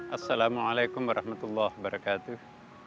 assalamualaikum warahmatullahi wabarakatuh